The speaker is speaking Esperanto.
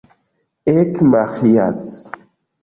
Ek, Maĥiac!